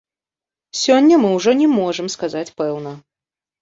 Сёння мы ўжо не можам сказаць пэўна.